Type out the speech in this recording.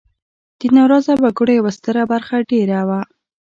د ناراضه وګړو یوه ستره برخه دېره وه.